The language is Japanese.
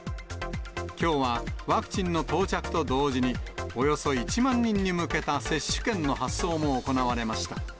きょうはワクチンの到着と同時に、およそ１万人に向けた接種券の発送も行われました。